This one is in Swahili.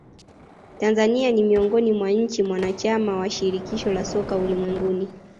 tanzania ni miongoni mwa nchi mwanachama wa shirikisho la soka ulimwenguni